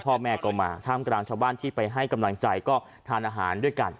พ่อแม่ก็มาท่ามกลางชาวบ้านที่ไปให้กำลังใจก็ทานอาหารด้วยกัน